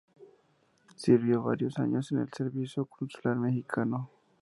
Sirvió varios años en el servicio consular mexicano.